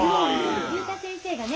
竜太先生がね